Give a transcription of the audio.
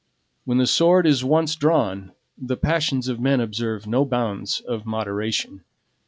When the sword is once drawn, the passions of men observe no bounds of moderation.